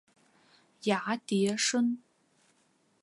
芽叠生。